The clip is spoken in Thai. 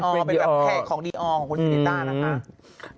เป็นแพทย์ของดีออลของศิริต่านะครับ